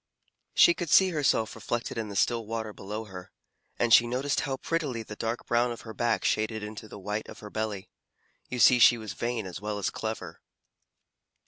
She could see herself reflected in the still water below her, and she noticed how prettily the dark brown of her back shaded into the white of her belly. You see she was vain as well as clever.